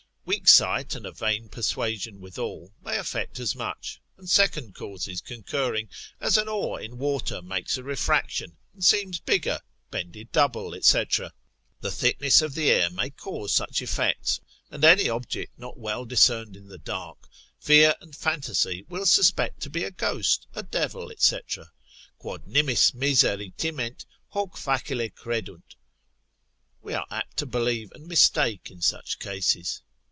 Weak sight and a vain persuasion withal, may effect as much, and second causes concurring, as an oar in water makes a refraction, and seems bigger, bended double, &c. The thickness of the air may cause such effects, or any object not well discerned in the dark, fear and phantasy will suspect to be a ghost, a devil, &c. Quod nimis miseri timent, hoc facile credunt, we are apt to believe, and mistake in such cases.